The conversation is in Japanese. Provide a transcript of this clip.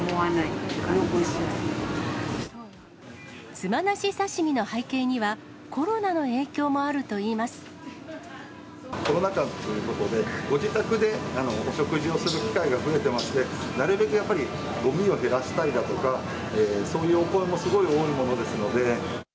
つまなし刺身の背景には、コロナ禍ということで、ご自宅でお食事をする機会が増えてまして、なるべくやっぱり、ごみを減らしたいだとか、そういうお声もすごい多いものですので。